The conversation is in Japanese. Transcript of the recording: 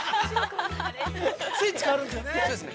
◆スイッチ変わるんですよね。